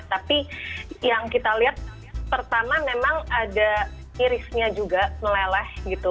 tapi yang kita lihat pertama memang ada irisnya juga meleleh gitu